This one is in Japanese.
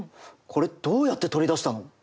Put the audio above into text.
これどうやって取り出したの？